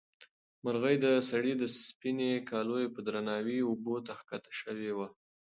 مرغۍ د سړي د سپینې کالیو په درناوي اوبو ته ښکته شوې وه.